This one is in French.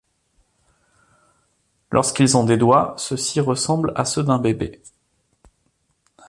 Lorsqu'ils ont des doigts, ceux-ci ressemblent à ceux d'un bébé.